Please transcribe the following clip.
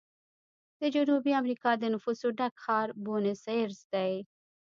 د جنوبي امریکا د نفوسو ډک ښار بونس ایرس دی.